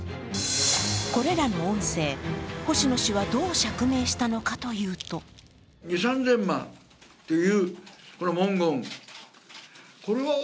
これらの音声、星野氏はどう釈明したのかというとちょっとー！